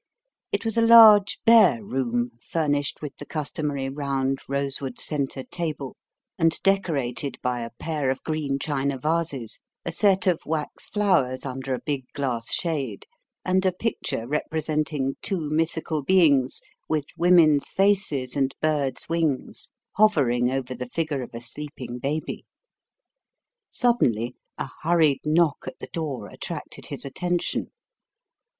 It was a large bare room, furnished with the customary round rosewood centre table, and decorated by a pair of green china vases, a set of wax flowers under a big glass shade, and a picture representing two mythical beings, with women's faces and birds' wings, hovering over the figure of a sleeping baby. Suddenly a hurried knock at the door attracted his attention.